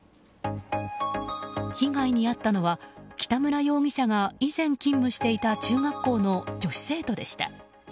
被害に遭ったのは北村容疑者が以前勤務していた中学校の女子生徒でした。